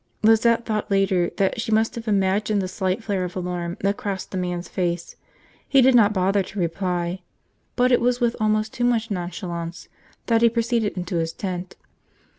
Lizette thought later that she must have imagined the slight flare of alarm that crossed the man's face. He did not bother to reply. But it was with almost too much nonchalance that he proceeded into his tent.